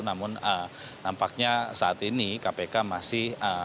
namun nampaknya saat ini kpk masih